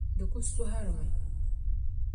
di kul sɔhirimi.